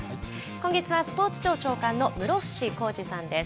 今月はスポーツ庁長官の室伏広治さんです。